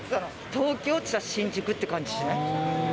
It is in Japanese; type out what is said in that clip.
東京っていったら新宿って感じしない？